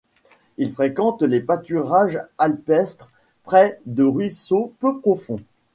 Il fréquente les pâturages alpestres près de ruisseaux peu profonds.